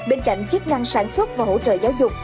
bên cạnh chức năng sản xuất và hỗ trợ giáo dục